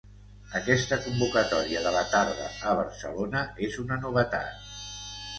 Aquesta convocatòria de la tarda a Barcelona és una novetat.